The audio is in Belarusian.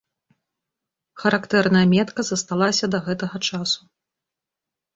Характэрная метка засталася да гэтага часу.